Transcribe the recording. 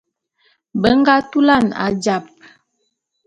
Be nga tulan ajap.